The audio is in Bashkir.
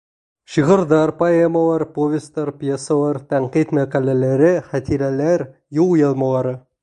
Шиғырҙар, поэмалар, повестар, пьесалар, тәнҡит мәҡәләләре, хәтирәләр, юл яҙмалары...